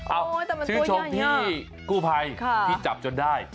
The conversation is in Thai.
ชื่นชมพี่กู้ภัยที่จับจนได้